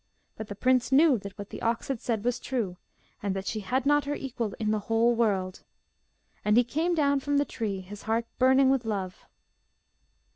But the prince knew that what the ox had said was true, and that she had not her equal in the whole world. And he came down from the tree, his heart burning with love.